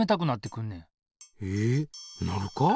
えなるか？